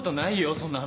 そんな話。